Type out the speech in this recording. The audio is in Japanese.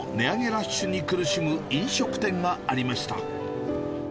ラッシュに苦しむ飲食店がありました。